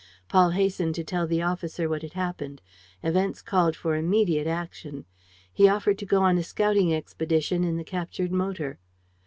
Paul hastened to tell the officer what had happened. Events called for immediate action. He offered to go on a scouting expedition in the captured motor.